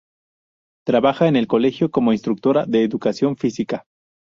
Trabaja en el Colegio como instructora de Educación Física.